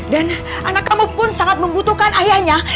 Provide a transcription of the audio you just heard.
dan anak kamu pun sangat membutuhkan ayahnya